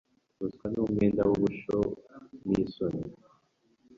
Ubuswa ni umwenda wububoshyi nisoni